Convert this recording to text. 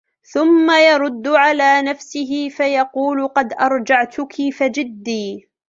ثُمَّ يَرُدُّ عَلَى نَفْسِهِ فَيَقُولُ قَدْ أَرْجَعْتُك فَجِدِّي